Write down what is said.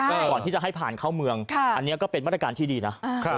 ก่อนที่จะให้ผ่านเข้าเมืองอันนี้ก็เป็นมาตรการที่ดีนะ